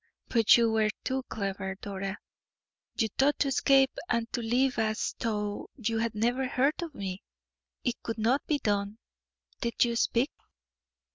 But you were too clever, Dora; you thought to escape and to live as though you had never heard of me. It could not be done. Did you speak?"